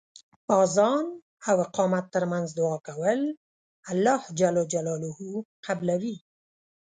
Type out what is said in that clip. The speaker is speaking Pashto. اذان او اقامت تر منځ دعا کول الله ج قبلوی .